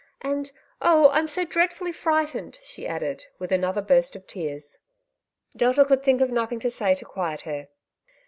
''And, oh, I'm so dreadfully frightened," she added, with another burst of tears. Delta could think of nothing to say to quiet her.